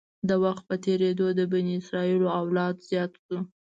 د وخت په تېرېدو د بني اسرایلو اولاد زیات شو.